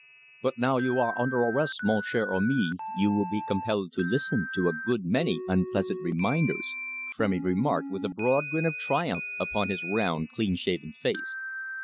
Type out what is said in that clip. "But now you are under arrest, mon cher ami, you will be compelled to listen to a good many unpleasant reminders," Frémy remarked with a broad grin of triumph upon his round, clean shaven face.